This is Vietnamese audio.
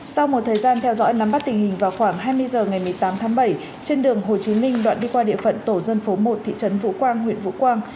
sau một thời gian theo dõi nắm bắt tình hình vào khoảng hai mươi h ngày một mươi tám tháng bảy trên đường hồ chí minh đoạn đi qua địa phận tổ dân phố một thị trấn vũ quang huyện vũ quang